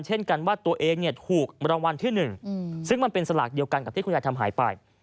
เช่นกันว่าตัวเองถูกรางวัลที่๑ซึ่งมันเป็นสลากเดียวกันกับที่คุณยายทำหายไป